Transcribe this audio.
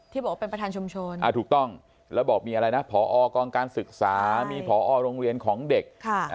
บอกว่าเป็นประธานชุมชนถูกต้องแล้วบอกมีอะไรนะพอกองการศึกษามีผอโรงเรียนของเด็ก